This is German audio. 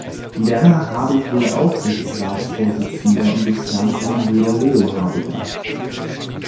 Werner Habig wurde Aufsichtsratsvorsitzender und löste damit seinen Bruder Leo Habig ab.